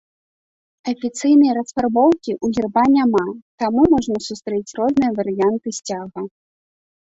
Афіцыйнай расфарбоўкі ў герба няма, таму можна сустрэць розныя варыянты сцяга.